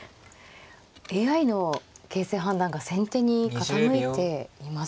ＡＩの形勢判断が先手に傾いています。